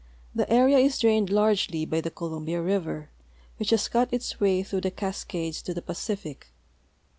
The area is drained largely b}'^ the Columbia river, which has cut its*way through the Cascades to the Pacific.